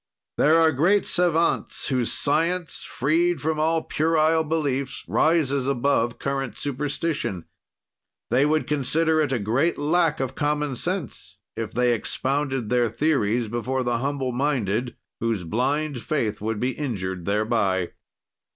There are great savants, whose science, freed from all puerile beliefs, rises above current superstition. They would consider it a great lack of common sense if they expounded their theories before the humble minded, whose blind faith would be injured thereby.